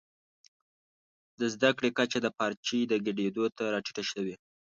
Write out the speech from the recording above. د زده کړي کچه د پارچې ډکېدو ته راټیټه سوې.